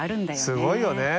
すごいよね。